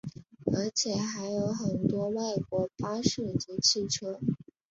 而且还有很多外国巴士及汽车。